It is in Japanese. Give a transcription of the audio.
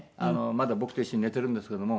まだ僕と一緒に寝てるんですけども。